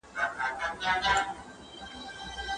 ایا ستا په کور کي د سبا د هیلو په اړه خبرې کیږي؟